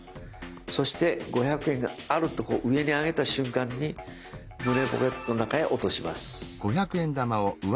そして五百円があるとこう上にあげた瞬間に胸ポケットの中へ落とします。